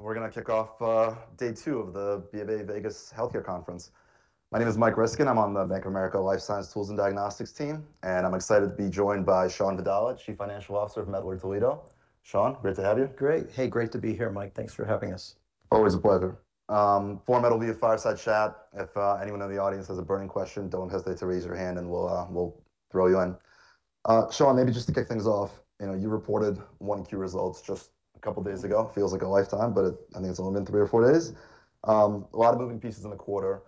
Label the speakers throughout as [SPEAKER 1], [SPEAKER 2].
[SPEAKER 1] We're gonna kick off day two of the BofA Vegas Healthcare Conference. My name is Michael Ryskin. I'm on the Bank of America Life Science Tools and Diagnostics team, and I'm excited to be joined by Shawn Vadala, Chief Financial Officer from Mettler-Toledo. Shawn, great to have you.
[SPEAKER 2] Great. Hey, great to be here, Mike. Thanks for having us.
[SPEAKER 1] Always a pleasure. Format will be a fireside chat. If anyone in the audience has a burning question, don't hesitate to raise your hand, and we'll throw you in. Shawn, maybe just to kick things off, you know, you reported 1Q results just a couple days ago. Feels like a lifetime, but I think it's only been three or four days. A lot of moving pieces in the quarter.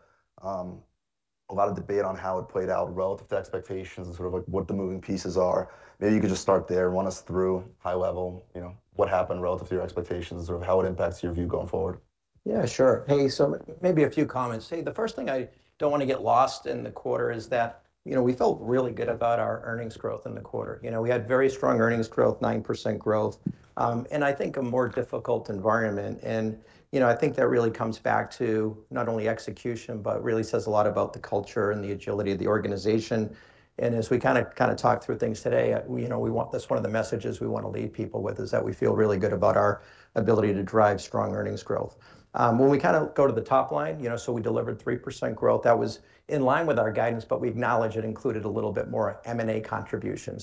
[SPEAKER 1] A lot of debate on how it played out relative to expectations and sort of, like, what the moving pieces are. Maybe you could just start there, run us through high-level, you know, what happened relative to your expectations or how it impacts your view going forward.
[SPEAKER 2] Yeah, sure. So maybe a few comments. The first thing I don't want to get lost in the quarter is that, you know, we felt really good about our earnings growth in the quarter. You know, we had very strong earnings growth, 9% growth, and I think a more difficult environment. You know, I think that really comes back to not only execution, but really says a lot about the culture and the agility of the organization. As we kind of talk through things today, you know, that's one of the messages we want to leave people with, is that we feel really good about our ability to drive strong earnings growth. When we kind of go to the top line, you know, we delivered 3% growth. That was in line with our guidance, but we acknowledge it included a little bit more M&A contribution.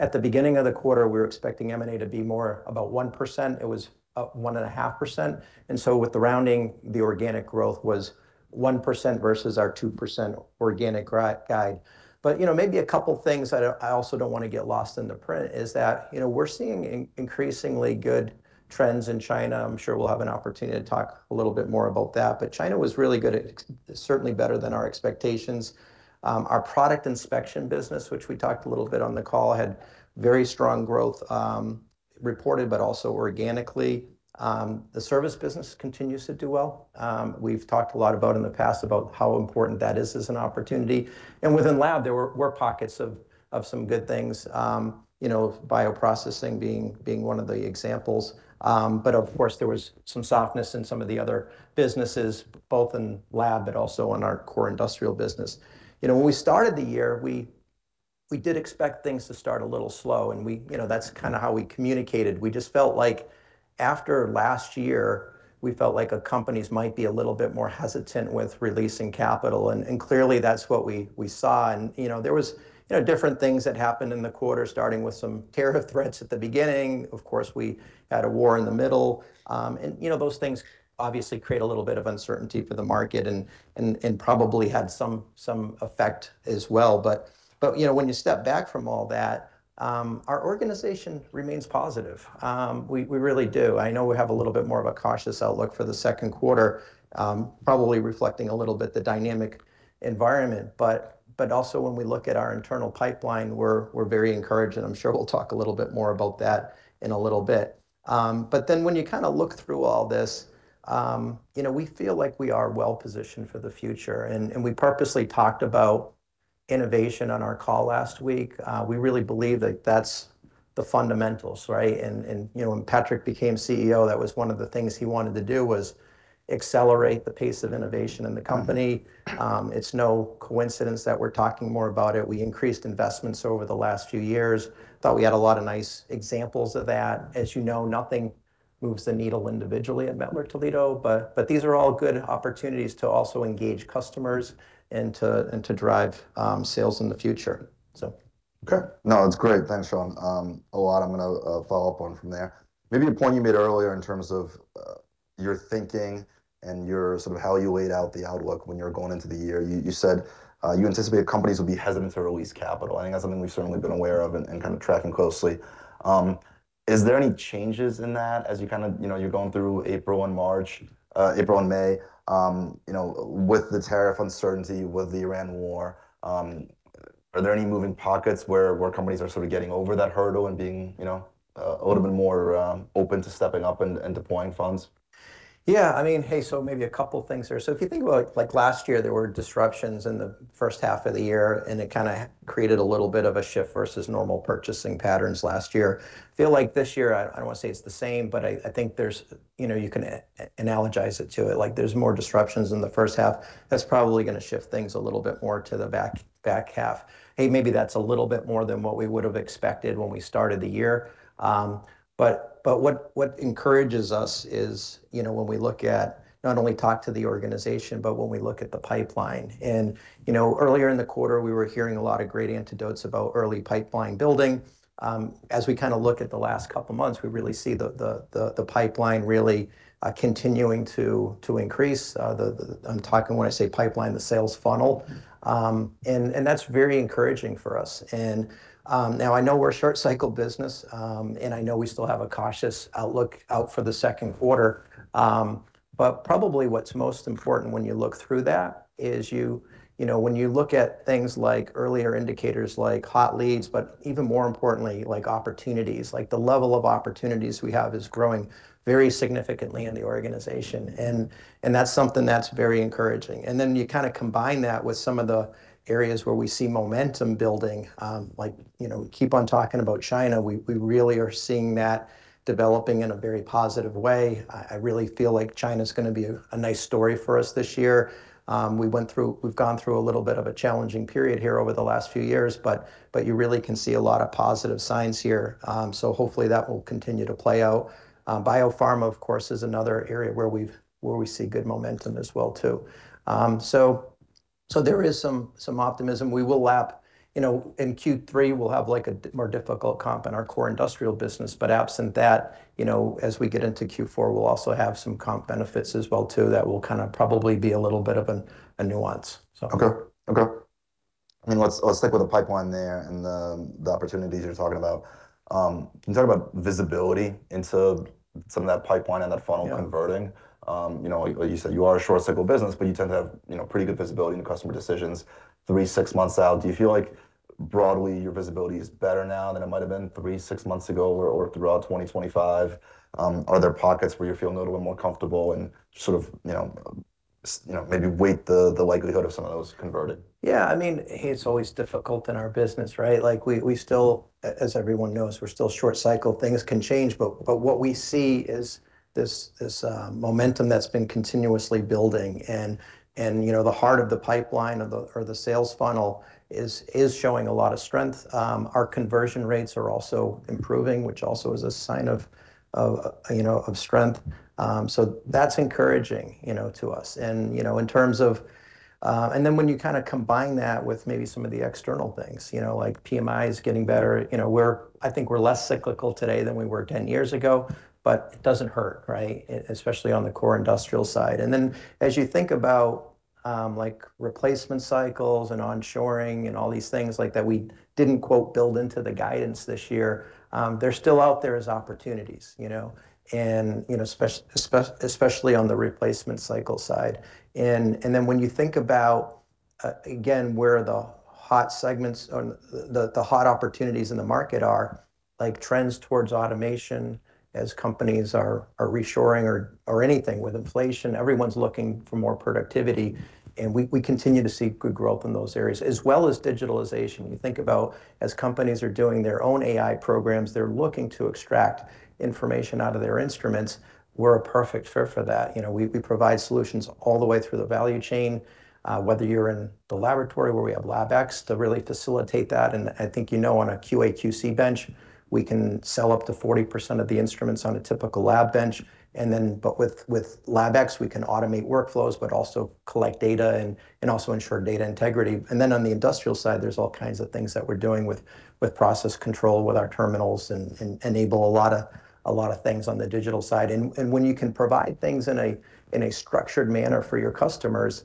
[SPEAKER 2] At the beginning of the quarter, we were expecting M&A to be more about 1%. It was 1.5%. With the rounding, the organic growth was 1% versus our 2% organic guide. You know, maybe a couple things that I also don't want to get lost in the print is that, you know, we're seeing increasingly good trends in China. I'm sure we'll have an opportunity to talk a little bit more about that. China was really good at certainly better than our expectations. Our product inspection business, which we talked a little bit on the call, had very strong growth, reported, but also organically. The service business continues to do well. We've talked a lot about in the past about how important that is as an opportunity. Within lab, there were pockets of some good things, you know, bioprocessing being one of the examples. Of course, there was some softness in some of the other businesses, both in lab, but also in our core industrial business. You know, when we started the year, we did expect things to start a little slow, and we, you know, that's kind of how we communicated. We just felt like after last year, we felt like companies might be a little bit more hesitant with releasing capital and clearly that's what we saw. You know, there was, you know, different things that happened in the quarter, starting with some tariff threats at the beginning. Of course, we had a war in the middle. You know, those things obviously create a little bit of uncertainty for the market and probably had some effect as well. You know, when you step back from all that, our organization remains positive. We really do. I know we have a little bit more of a cautious outlook for the second quarter, probably reflecting a little bit the dynamic environment. Also when we look at our internal pipeline, we're very encouraged, and I'm sure we'll talk a little bit more about that in a little bit. When you kind of look through all this, you know, we feel like we are well positioned for the future and we purposely talked about innovation on our call last week. We really believe that that's the fundamentals, right? You know, when Patrick became CEO, that was one of the things he wanted to do was accelerate the pace of innovation in the company. It's no coincidence that we're talking more about it. We increased investments over the last few years. Thought we had a lot of nice examples of that. As you know, nothing moves the needle individually at Mettler-Toledo, these are all good opportunities to also engage customers and to drive sales in the future.
[SPEAKER 1] Okay. No, that's great. Thanks, Shawn. A lot I'm gonna follow up on from there. Maybe a point you made earlier in terms of your thinking and your sort of how you laid out the outlook when you were going into the year. You said you anticipated companies would be hesitant to release capital. I think that's something we've certainly been aware of and kind of tracking closely. Is there any changes in that as you kind of, you know, you're going through April and March, April and May, you know, with the tariff uncertainty, with the Iran war? Are there any moving pockets where companies are sort of getting over that hurdle and being, you know, a little bit more open to stepping up and deploying funds?
[SPEAKER 2] I mean, maybe a couple things here. If you think about, like, last year, there were disruptions in the first half of the year, and it kind of created a little bit of a shift versus normal purchasing patterns last year. Feel like this year, I don't want to say it's the same, but I think there's, you know, you can analogize it to it. Like there's more disruptions in the first half. That's probably gonna shift things a little bit more to the back half. Maybe that's a little bit more than what we would have expected when we started the year. What encourages us is, you know, when we look at not only talk to the organization, but when we look at the pipeline. You know, earlier in the quarter, we were hearing a lot of great anecdotes about early pipeline building. As we kind of look at the last couple months, we really see the pipeline really continuing to increase. I'm talking when I say pipeline, the sales funnel. That's very encouraging for us. Now I know we're a short cycle business, and I know we still have a cautious outlook out for the second quarter. Probably what's most important when you look through that is you know, when you look at things like earlier indicators like hot leads, but even more importantly, like opportunities, the level of opportunities we have is growing very significantly in the organization and that's something that's very encouraging. Then you kind of combine that with some of the areas where we see momentum building, like, you know, we keep on talking about China. We really are seeing that developing in a very positive way. I really feel like China's gonna be a nice story for us this year. We've gone through a little bit of a challenging period here over the last few years, but you really can see a lot of positive signs here. Hopefully that will continue to play out. Biopharma, of course, is another area where we see good momentum as well too. There is some optimism. We will lap, you know, in Q3 we'll have like a more difficult comp in our core industrial business, but absent that, you know, as we get into Q4, we'll also have some comp benefits as well too that will kind of probably be a little bit of a nuance.
[SPEAKER 1] Okay. I mean, let's stick with the pipeline there, and the opportunities you're talking about. Can you talk about visibility into some of that pipeline and that funnel?
[SPEAKER 2] Yeah
[SPEAKER 1] converting? You know, you said you are a short cycle business, but you tend to have, you know, pretty good visibility into customer decisions three to six months out. Do you feel like broadly your visibility is better now than it might have been three, six months ago, or throughout 2025? Are there pockets where you feel a little bit more comfortable and sort of, you know, maybe weight the likelihood of some of those converting?
[SPEAKER 2] Yeah, I mean, hey, it's always difficult in our business, right? Like, we still, as everyone knows, we're still short cycle. Things can change. What we see is this momentum that's been continuously building, and, you know, the heart of the pipeline or the sales funnel is showing a lot of strength. Our conversion rates are also improving, which also is a sign of, you know, of strength. That's encouraging, you know, to us. You know, in terms of, Then when you kind of combine that with maybe some of the external things, you know, like PMI is getting better, you know, I think we're less cyclical today than we were 10 years ago, but it doesn't hurt, right? Especially on the core industrial side. As you think about, like replacement cycles and onshoring and all these things like that we didn't, quote, "build into the guidance this year," they're still out there as opportunities, you know. You know, especially on the replacement cycle side. When you think about, again, where the hot segments or the hot opportunities in the market are, like trends towards automation as companies are reshoring or anything. With inflation, everyone's looking for more productivity, and we continue to see good growth in those areas, as well as digitalization. When you think about as companies are doing their own AI programs, they're looking to extract information out of their instruments, we're a perfect fit for that. You know, we provide solutions all the way through the value chain, whether you're in the laboratory where we have LabX to really facilitate that. I think, you know, on a QA/QC bench, we can sell up to 40% of the instruments on a typical lab bench. With LabX, we can automate workflows, but also collect data and also ensure data integrity. On the industrial side, there's all kinds of things that we're doing with process control, with our terminals and enable a lot of things on the digital side. When you can provide things in a structured manner for your customers,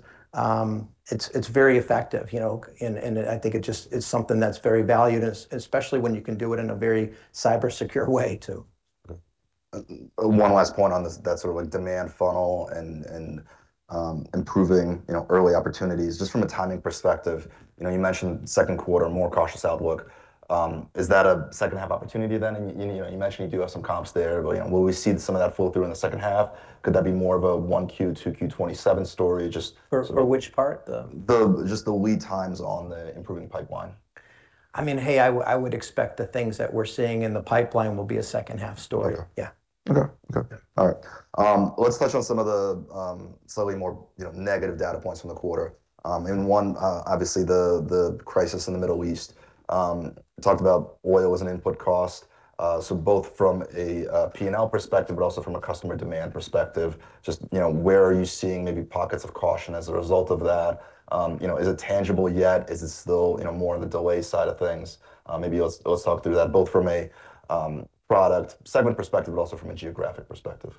[SPEAKER 2] it's very effective, you know. I think it just is something that's very valued as, especially when you can do it in a very cyber secure way too.
[SPEAKER 1] Okay. one last point on this, that sort of like demand funnel and improving, you know, early opportunities. Just from a timing perspective, you know, you mentioned second quarter more cautious outlook. Is that a second half opportunity then? You know, you mentioned you do have some comps there, but, you know, will we see some of that fall through in the second half? Could that be more of a 1Q, 2Q, 2027 story?
[SPEAKER 2] For which part?
[SPEAKER 1] just the lead times on the improving pipeline.
[SPEAKER 2] I mean, hey, I would expect the things that we're seeing in the pipeline will be a second half story.
[SPEAKER 1] Okay.
[SPEAKER 2] Yeah.
[SPEAKER 1] Okay. Okay.
[SPEAKER 2] Yeah.
[SPEAKER 1] All right. Let's touch on some of the, slightly more, you know, negative data points from the quarter. One, obviously the crisis in the Middle East. Talked about oil as an input cost. Both from a, P&L perspective, but also from a customer demand perspective, just, you know, where are you seeing maybe pockets of caution as a result of that? You know, is it tangible yet? Is it still, you know, more on the delay side of things? Maybe let's talk through that both from a, product segment perspective, but also from a geographic perspective.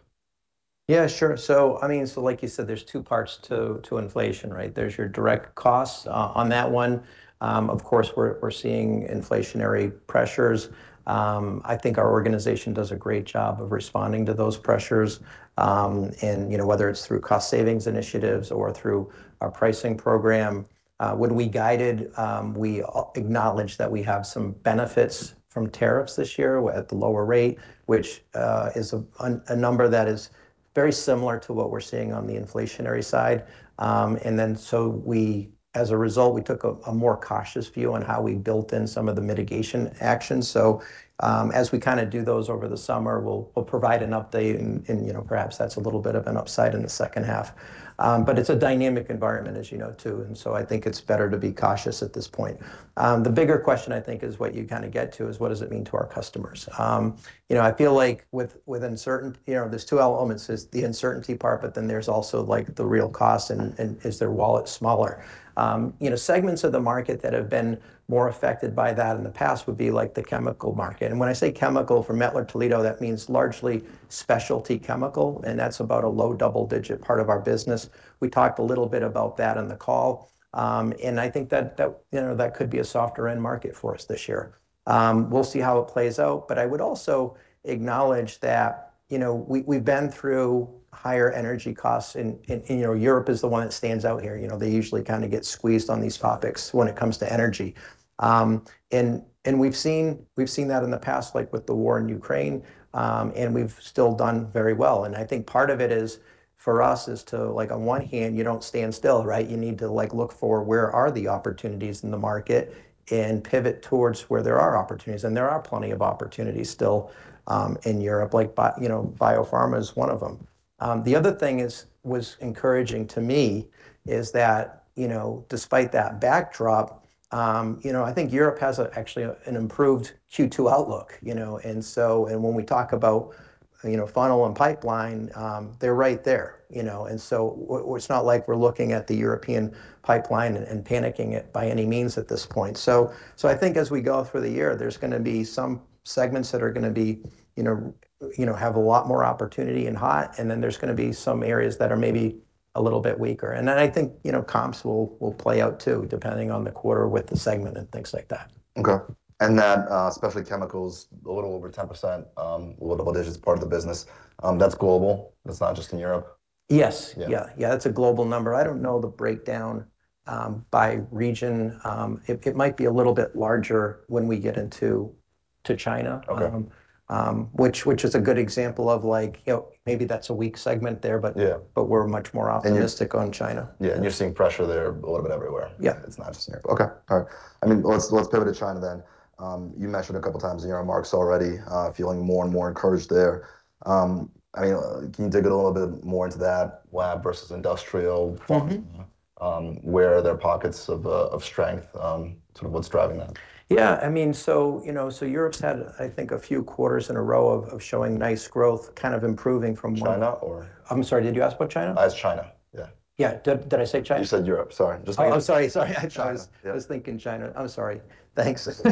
[SPEAKER 2] Yeah, sure. I mean, like you said, there's two parts to inflation, right? There's your direct costs. On that one, of course, we're seeing inflationary pressures. I think our organization does a great job of responding to those pressures, and, you know, whether it's through cost savings initiatives or through our pricing program. When we guided, we acknowledged that we have some benefits from tariffs this year at the lower rate, which is a number that is very similar to what we're seeing on the inflationary side. We, as a result, we took a more cautious view on how we built in some of the mitigation actions. As we kind of do those over the summer, we'll provide an update and, you know, perhaps that's a little bit of an upside in the second half. It's a dynamic environment, as you know, too, and so I think it's better to be cautious at this point. The bigger question I think is what you kind of get to, is what does it mean to our customers? You know, I feel like with, you know, there's two elements. There's the uncertainty part, but then there's also, like, the real cost and is their wallet smaller? You know, segments of the market that have been more affected by that in the past would be, like, the chemical market. When I say chemical, for Mettler-Toledo, that means largely specialty chemical, that's about a low double-digit part of our business. We talked a little bit about that on the call. I think that, you know, that could be a softer end market for us this year. We'll see how it plays out. I would also acknowledge that, you know, we've been through higher energy costs in, you know, Europe is the one that stands out here. You know, they usually kind of get squeezed on these topics when it comes to energy. And we've seen that in the past, like with the war in Ukraine, and we've still done very well. I think part of it is for us is to, like, on one hand, you don't stand still, right? You need to, like, look for where are the opportunities in the market and pivot towards where there are opportunities, and there are plenty of opportunities still in Europe. You know, biopharma is one of them. The other thing is, was encouraging to me is that, you know, despite that backdrop, you know, I think Europe has a, actually a, an improved Q2 outlook, you know? When we talk about, you know, funnel and pipeline, they're right there, you know? It's not like we're looking at the European pipeline and panicking it by any means at this point. I think as we go through the year, there's gonna be some segments that are gonna be, you know, have a lot more opportunity and hot, and then there's gonna be some areas that are maybe a little bit weaker. I think, you know, comps will play out too, depending on the quarter with the segment and things like that.
[SPEAKER 1] Okay. That, specialty chemicals, a little over 10%, low double digits part of the business, that's global? That's not just in Europe?
[SPEAKER 2] Yes.
[SPEAKER 1] Yeah.
[SPEAKER 2] Yeah, yeah, that's a global number. I don't know the breakdown, by region. It might be a little bit larger when we get into China.
[SPEAKER 1] Okay.
[SPEAKER 2] Which is a good example of, like, you know, maybe that's a weak segment there.
[SPEAKER 1] Yeah
[SPEAKER 2] but we're much more-
[SPEAKER 1] And you-
[SPEAKER 2] optimistic on China.
[SPEAKER 1] Yeah, you're seeing pressure there a little bit everywhere.
[SPEAKER 2] Yeah.
[SPEAKER 1] It's not just in Europe. Okay. All right. I mean, let's go to China then. You mentioned a couple times in your remarks already, feeling more and more encouraged there. I mean, can you dig a little bit more into that lab versus industrial funnel? Where are there pockets of strength? Sort of what's driving that?
[SPEAKER 2] Yeah, I mean, you know, Europe's had, I think, a few quarters in a row of showing nice growth, kind of improving from.
[SPEAKER 1] China or?
[SPEAKER 2] I'm sorry, did you ask about China?
[SPEAKER 1] It's China, yeah.
[SPEAKER 2] Yeah. Did I say China?
[SPEAKER 1] You said Europe, sorry. Just making sure.
[SPEAKER 2] Oh, sorry.
[SPEAKER 1] China. Yeah.
[SPEAKER 2] I was thinking China. I'm sorry. Thanks.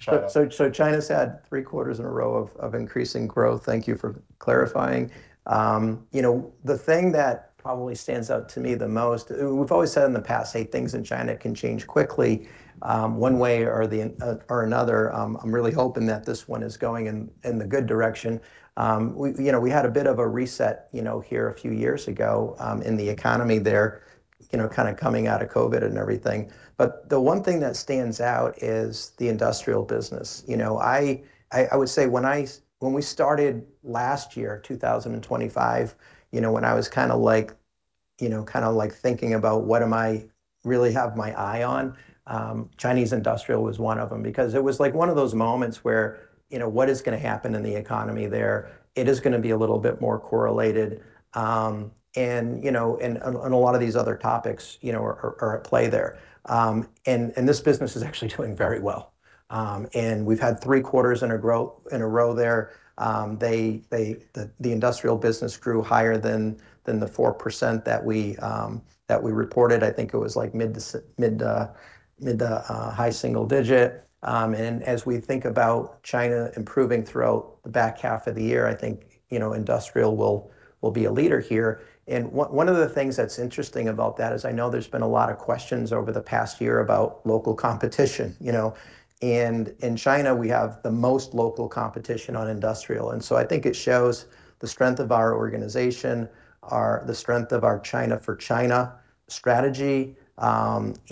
[SPEAKER 1] China.
[SPEAKER 2] China's had 3 quarters in a row of increasing growth. Thank you for clarifying. You know, the thing that probably stands out to me the most, we've always said in the past, hey, things in China can change quickly, one way or another. I'm really hoping that this 1 is going in the good direction. We, you know, we had a bit of a reset, you know, here a few years ago, in the economy there, you know, kind of coming out of COVID and everything. The 1 thing that stands out is the industrial business. You know, I would say when we started last year, 2025, when I was thinking about what am I really have my eye on, Chinese industrial was one of them. It was like one of those moments where, what is gonna happen in the economy there, it is gonna be a little bit more correlated. A lot of these other topics are at play there. This business is actually doing very well. We've had three quarters in a row there. The industrial business grew higher than the 4% that we reported. I think it was mid high single digit. As we think about China improving throughout the back half of the year, I think, you know, industrial will be a leader here. One of the things that's interesting about that is I know there's been a lot of questions over the past year about local competition. You know? In China, we have the most local competition on industrial, so I think it shows the strength of our organization, the strength of our China-for-China strategy, and,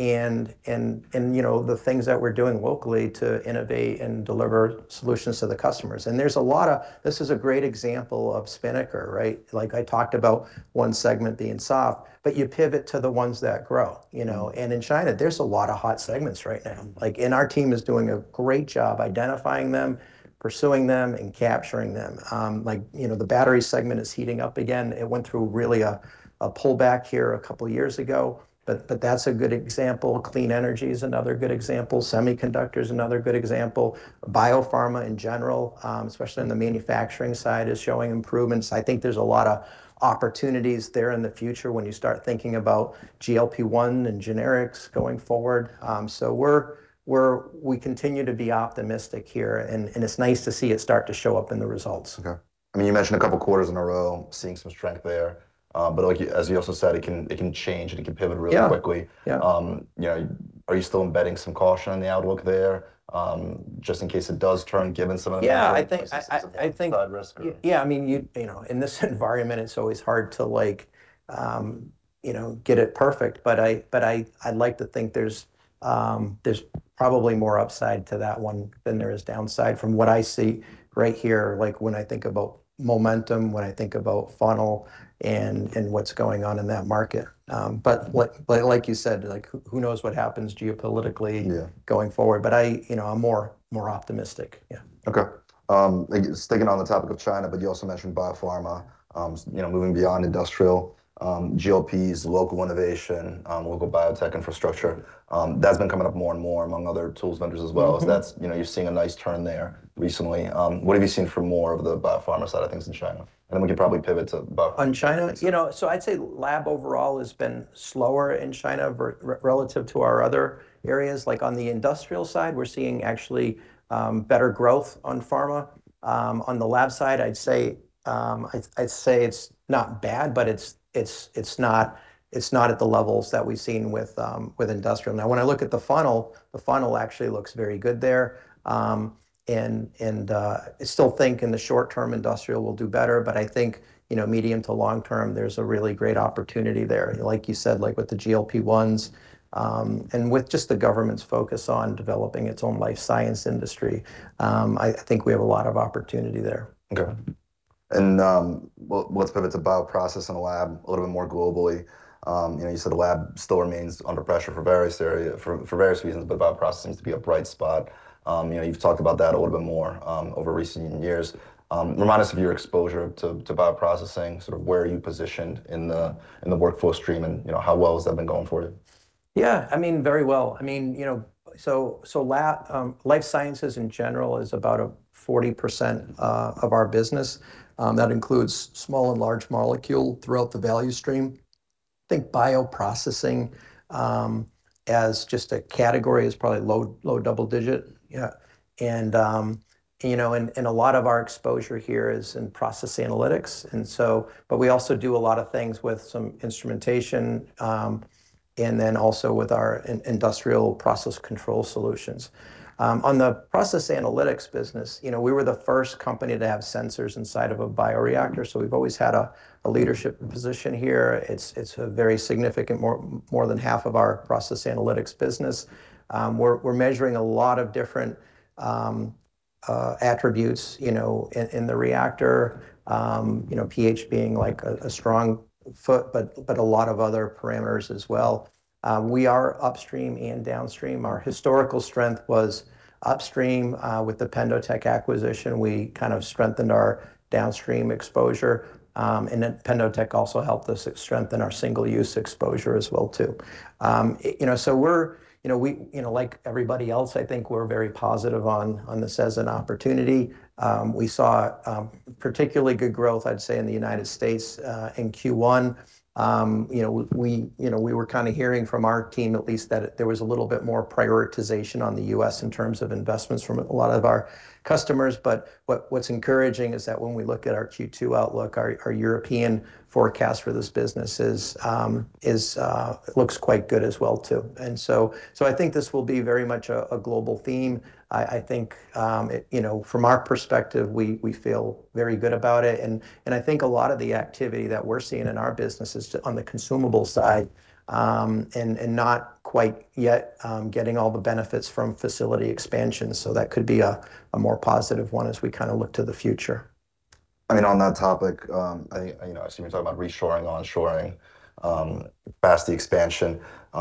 [SPEAKER 2] you know, the things that we're doing locally to innovate and deliver solutions to the customers. This is a great example of Spinnaker, right? Like I talked about one segment being soft, you pivot to the ones that grow, you know? In China, there's a lot of hot segments right now. Like, our team is doing a great job identifying them, pursuing them, and capturing them. Like, you know, the battery segment is heating up again. It went through really a pullback here a couple years ago, but that's a good example. Clean energy is another good example. Semiconductors is another good example. Biopharma in general, especially in the manufacturing side, is showing improvements. I think there's a lot of opportunities there in the future when you start thinking about GLP-1 and generics going forward. We continue to be optimistic here, and it's nice to see it start to show up in the results.
[SPEAKER 1] Okay. I mean, you mentioned a couple quarters in a row seeing some strength there. Like, as you also said, it can, it can change and it can pivot really quickly.
[SPEAKER 2] Yeah, yeah.
[SPEAKER 1] You know, are you still embedding some caution in the outlook there, just in case it does turn?
[SPEAKER 2] Yeah
[SPEAKER 1] potential downside risk or?
[SPEAKER 2] I think Yeah, I mean, you know, in this environment it's always hard to, like, you know, get it perfect, but I like to think there's probably more upside to that one than there is downside from what I see right here, like when I think about momentum, when I think about funnel and what's going on in that market. Like you said, like who knows what happens geopolitically.
[SPEAKER 1] Yeah
[SPEAKER 2] going forward. I, you know, I'm more optimistic. Yeah.
[SPEAKER 1] Okay. Like sticking on the topic of China, you also mentioned biopharma. You know, moving beyond industrial, GLPs, local innovation, local biotech infrastructure, that's been coming up more and more among other tools vendors as well. That's, you know, you're seeing a nice turn there recently. What have you seen for more of the biopharma side of things in China? Then we can probably pivot to BU-.
[SPEAKER 2] On China?
[SPEAKER 1] Yeah.
[SPEAKER 2] You know, I'd say lab overall has been slower in China relative to our other areas. Like on the industrial side, we're seeing actually better growth on pharma. On the lab side I'd say it's not bad, but it's not at the levels that we've seen with industrial. When I look at the funnel, the funnel actually looks very good there. I still think in the short term industrial will do better, I think, you know, medium to long term there's a really great opportunity there, like you said, like with the GLP-1s, and with just the government's focus on developing its own life science industry, I think we have a lot of opportunity there.
[SPEAKER 1] Okay. Well, let's pivot to bioprocess and lab a little bit more globally. You know, you said the lab still remains under pressure for various reasons, but bioprocess seems to be a bright spot. You know, you've talked about that a little bit more over recent years. Remind us of your exposure to bioprocessing, sort of where are you positioned in the workflow stream, and you know, how well has that been going forward?
[SPEAKER 2] I mean, very well. I mean, you know, life sciences in general is about a 40% of our business. That includes small and large molecule throughout the value stream. Think bioprocessing as just a category is probably low double digit. A lot of our exposure here is in process analytics. We also do a lot of things with some instrumentation and then also with our industrial process control solutions. On the process analytics business, you know, we were the first company to have sensors inside of a bioreactor, so we've always had a leadership position here. It's a very significant, more than half of our process analytics business. We're measuring a lot of different attributes, you know, in the reactor. You know, pH being like a strong foot, but a lot of other parameters as well. We are upstream and downstream. Our historical strength was upstream. With the PendoTECH acquisition, we kind of strengthened our downstream exposure. PendoTECH also helped us strengthen our single use exposure as well too. You know, we're, you know, we, you know, like everybody else, I think we're very positive on this as an opportunity. We saw particularly good growth, I'd say, in the United States in Q1. You know, we were kind of hearing from our team at least that there was a little bit more prioritization on the U.S. in terms of investments from a lot of our customers. What's encouraging is that when we look at our Q2 outlook, our European forecast for this business looks quite good as well too. So I think this will be very much a global theme. I think, you know, from our perspective, we feel very good about it. And I think a lot of the activity that we're seeing in our business on the consumable side and not quite yet getting all the benefits from facility expansion. That could be a more positive one as we kind of look to the future.
[SPEAKER 1] I mean, on that topic, I assume you're talking about reshoring, onshoring, capacity expansion. You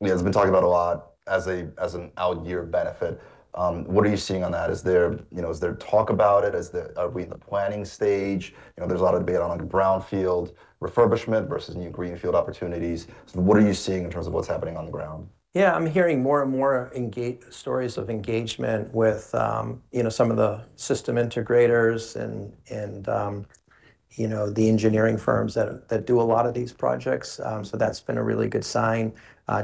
[SPEAKER 1] know, it's been talked about a lot as an out year benefit. What are you seeing on that? Is there, you know, is there talk about it? Are we in the planning stage? You know, there's a lot of debate on brownfield refurbishment versus new greenfield opportunities. What are you seeing in terms of what's happening on the ground?
[SPEAKER 2] Yeah. I'm hearing more and more stories of engagement with, you know, some of the system integrators and, you know, the engineering firms that do a lot of these projects. That's been a really good sign.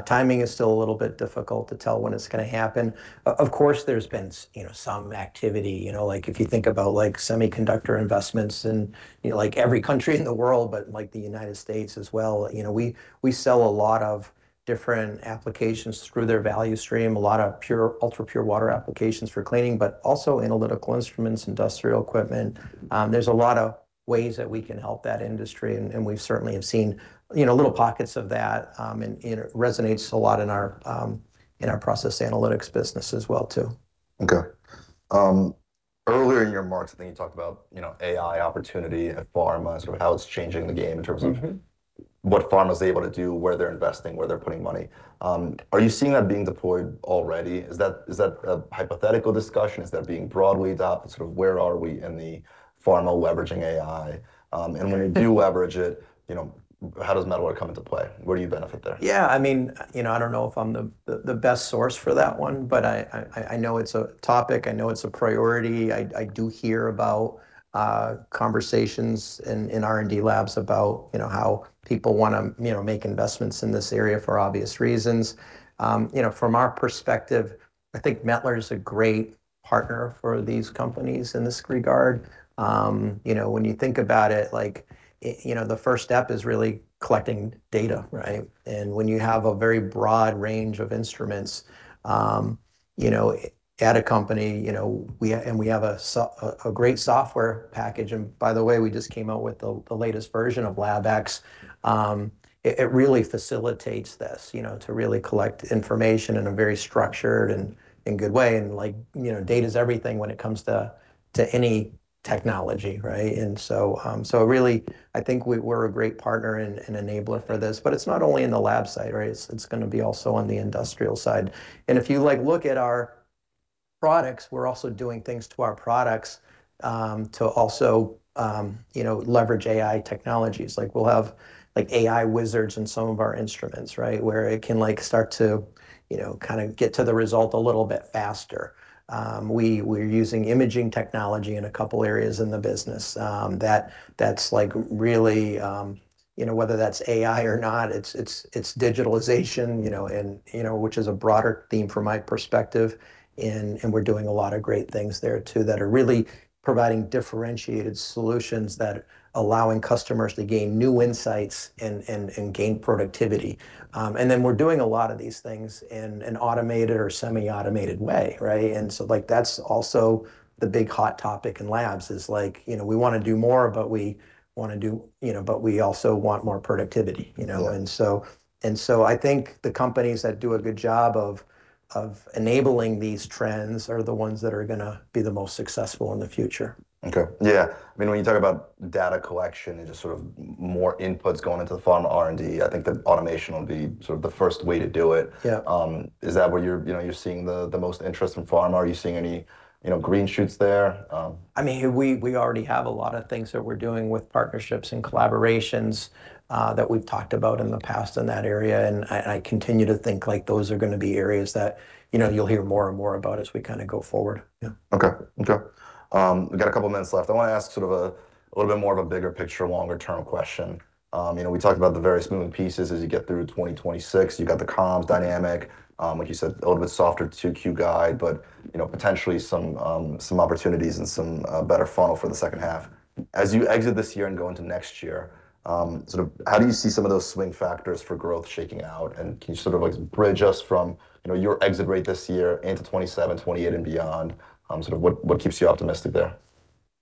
[SPEAKER 2] Timing is still a little bit difficult to tell when it's gonna happen. Of course, there's been, you know, some activity. You know, like, if you think about, like, semiconductor investments in, you know, like, every country in the world, but, like, the U.S. as well. You know, we sell a lot of different applications through their value stream, a lot of pure, ultrapure water applications for cleaning, but also analytical instruments, industrial equipment. There's a lot of ways that we can help that industry, and we've certainly have seen, you know, little pockets of that. And it resonates a lot in our, in our process analytics business as well too.
[SPEAKER 1] Okay. Earlier in your remarks, I think you talked about, you know, AI opportunity at pharma, sort of how it's changing the game. what pharma's able to do, where they're investing, where they're putting money. Are you seeing that being deployed already? Is that a hypothetical discussion? Is that being broadly adopted? Sort of where are we in the pharma leveraging AI? When you do leverage it, you know, how does Mettler come into play? Where do you benefit there?
[SPEAKER 2] Yeah, I mean, you know, I don't know if I'm the, the best source for that one, but I, I know it's a topic, I know it's a priority. I do hear about conversations in R&D labs about, you know, how people wanna, you know, make investments in this area for obvious reasons. You know, from our perspective, I think Mettler is a great partner for these companies in this regard. You know, when you think about it, like, you know, the first step is really collecting data, right? When you have a very broad range of instruments, you know, at a company, you know, we, and we have a great software package, and by the way, we just came out with the latest version of LabX, it really facilitates this, you know, to really collect information in a very structured and good way. Like, you know, data's everything when it comes to any technology, right? So really I think we're a great partner and enabler for this, but it's not only in the lab side, right? It's gonna be also on the industrial side. If you, like, look at our products, we're also doing things to our products, to also, you know, leverage AI technologies. Like, we'll have, like, AI wizards in some of our instruments, right? Where it can, like, start to, you know, kind of get to the result a little bit faster. We're using imaging technology in a couple areas in the business, that's, like, really, you know, whether that's AI or not, it's, it's digitalization, you know, and, you know, which is a broader theme from my perspective. We're doing a lot of great things there too that are really providing differentiated solutions that allowing customers to gain new insights and gain productivity. We're doing a lot of these things in an automated or semi-automated way, right? Like, that's also the big hot topic in labs is, like, you know, we wanna do more, but we also want more productivity, you know?
[SPEAKER 1] Yeah.
[SPEAKER 2] I think the companies that do a good job of enabling these trends are the ones that are gonna be the most successful in the future.
[SPEAKER 1] Okay. Yeah. I mean, when you talk about data collection and just sort of more inputs going into the pharma R&D, I think that automation will be sort of the first way to do it.
[SPEAKER 2] Yeah.
[SPEAKER 1] Is that where you're, you know, you're seeing the most interest in pharma? Are you seeing any, you know, green shoots there?
[SPEAKER 2] I mean, we already have a lot of things that we're doing with partnerships and collaborations that we've talked about in the past in that area, and I continue to think, like, those are gonna be areas that, you know, you'll hear more and more about as we kind of go forward. Yeah.
[SPEAKER 1] Okay. Okay. We got a couple minutes left. I wanna ask sort of a little bit more of a bigger picture, longer term question. You know, we talked about the various moving pieces as you get through 2026. You got the comms dynamic, like you said, a little bit softer 2Q guide, but, you know, potentially some opportunities and some better funnel for the second half. As you exit this year and go into next year, sort of how do you see some of those swing factors for growth shaking out? Can you sort of, like, bridge us from, you know, your exit rate this year into 2027, 2028 and beyond? Sort of what keeps you optimistic there?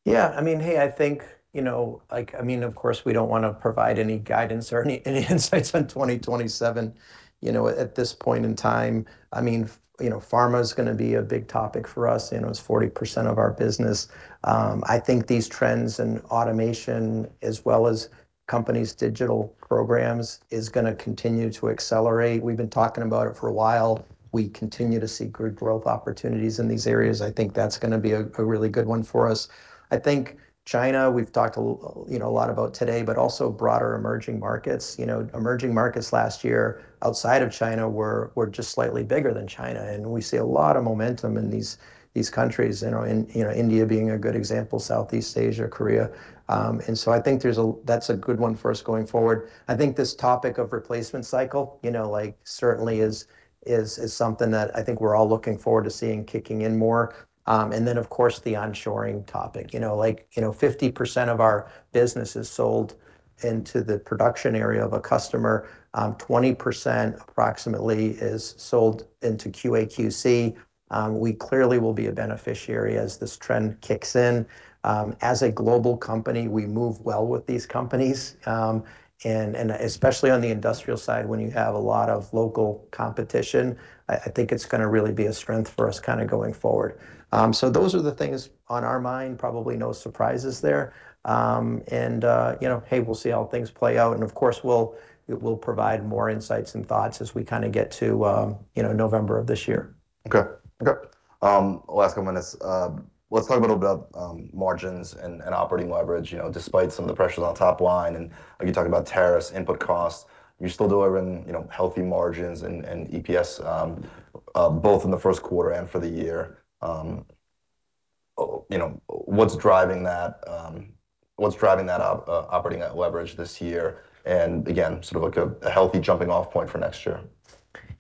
[SPEAKER 2] Yeah, I mean, hey, I think, you know, like, I mean, of course, we don't wanna provide any guidance or any insights on 2027, you know, at this point in time. I mean, you know, pharma's gonna be a big topic for us. You know, it's 40% of our business. I think these trends in automation as well as companies' digital programs is gonna continue to accelerate. We've been talking about it for a while. We continue to see good growth opportunities in these areas. I think that's gonna be a really good one for us. I think China, we've talked a lot about today, but also broader emerging markets. You know, emerging markets last year outside of China were just slightly bigger than China. We see a lot of momentum in these countries, you know, You know, India being a good example, Southeast Asia, Korea. I think there's a that's a good one for us going forward. I think this topic of replacement cycle, you know, like, certainly is something that I think we're all looking forward to seeing kicking in more. Then of course the onshoring topic. You know, like, you know, 50% of our business is sold into the production area of a customer. 20% approximately is sold into QA/QC. We clearly will be a beneficiary as this trend kicks in. As a global company, we move well with these companies, and especially on the industrial side when you have a lot of local competition, I think it's going to really be a strength for us kind of going forward. Those are the things on our mind, probably no surprises there. You know, hey, we'll see how things play out, and of course we'll provide more insights and thoughts as we kind of get to, you know, November of this year.
[SPEAKER 1] Okay. Okay. Last couple minutes. Let's talk a little bit about margins and operating leverage. You know, despite some of the pressures on top line, and, like you talked about tariffs, input costs, you're still delivering, you know, healthy margins and EPS, both in the first quarter and for the year. You know, what's driving that, what's driving that operating leverage this year, and again, sort of like a healthy jumping off point for next year?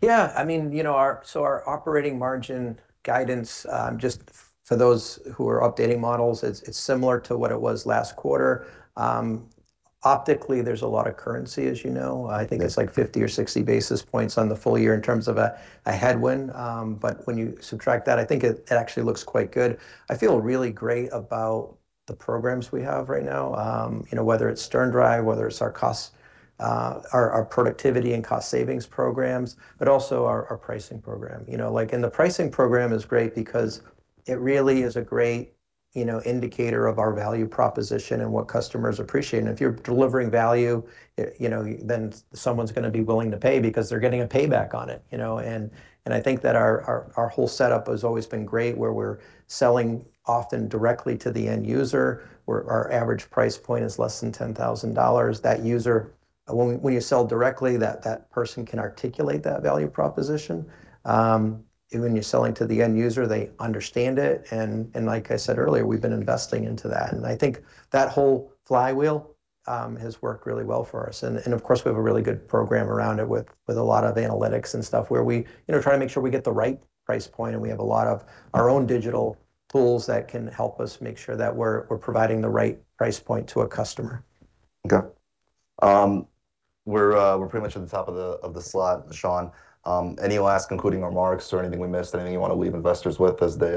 [SPEAKER 2] I mean, you know, our operating margin guidance, just for those who are updating models, it's similar to what it was last quarter. Optically there's a lot of currency, as you know. I think it's like 50 or 60 basis points on the full year in terms of a headwind. When you subtract that, I think it actually looks quite good. I feel really great about the programs we have right now, you know, whether it's SternDrive, whether it's our cost, our productivity and cost savings programs, but also our pricing program. You know, like, the pricing program is great because it really is a great, you know, indicator of our value proposition and what customers appreciate. If you're delivering value, you know, then someone's gonna be willing to pay because they're getting a payback on it, you know. I think that our whole setup has always been great, where we're selling often directly to the end user, where our average price point is less than $10,000. That user, when you sell directly, that person can articulate that value proposition. When you're selling to the end user, they understand it, and like I said earlier, we've been investing into that. I think that whole flywheel has worked really well for us. Of course we have a really good program around it with a lot of analytics and stuff, where we, you know, try to make sure we get the right price point, and we have a lot of our own digital tools that can help us make sure that we're providing the right price point to a customer.
[SPEAKER 1] Okay. We're pretty much at the top of the slot, Shawn. Any last concluding remarks or anything we missed, anything you wanna leave investors with as they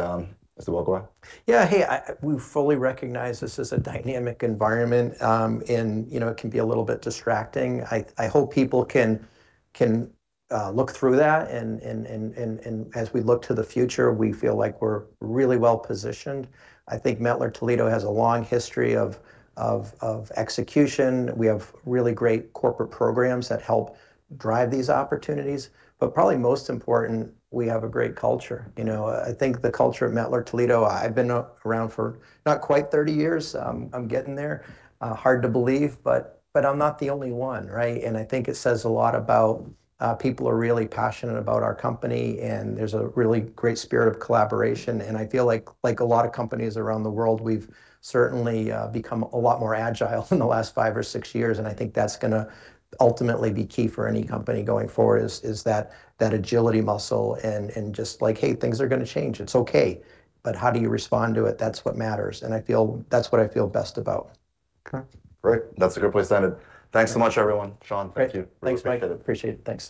[SPEAKER 1] walk away?
[SPEAKER 2] Yeah. Hey, we fully recognize this is a dynamic environment, you know, it can be a little bit distracting. I hope people can look through that and as we look to the future, we feel like we're really well-positioned. I think Mettler-Toledo has a long history of execution. We have really great corporate programs that help drive these opportunities, probably most important, we have a great culture. You know, I think the culture of Mettler-Toledo, I've been around for not quite 30 years, I'm getting there, hard to believe, but I'm not the only one, right? I think it says a lot about people are really passionate about our company, and there's a really great spirit of collaboration. I feel like a lot of companies around the world, we've certainly, become a lot more agile in the last five or six years, and I think that's gonna ultimately be key for any company going forward, is that agility muscle and just like, "Hey, things are gonna change, it's okay," but how do you respond to it? That's what matters, and I feel that's what I feel best about.
[SPEAKER 1] Okay. Great. That's a good place to end it. Thanks so much, everyone. Shawn, thank you.
[SPEAKER 2] Great. Thanks, Mike.
[SPEAKER 1] Really appreciate it.
[SPEAKER 2] Appreciate it. Thanks.